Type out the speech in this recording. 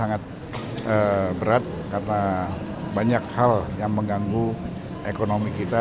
sangat berat karena banyak hal yang mengganggu ekonomi kita